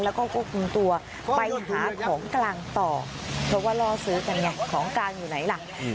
แล้วก็ควบคุมตัวไปหาของกลางต่อเพราะว่าล่อซื้อกันไงของกลางอยู่ไหนล่ะ